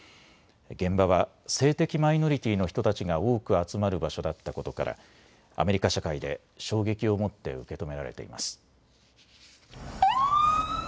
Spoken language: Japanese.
現場は性的マイノリティーの人たちが多く集まる場所だったことからアメリカ社会で衝撃を持って受け止められています。